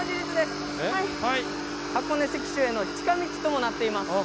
「箱根関所への近道ともなっています」